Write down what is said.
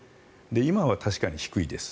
今は確かに低いんです。